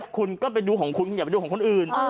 คุณก็ไปดูของคุณคุณอย่าไปดูของคนอื่น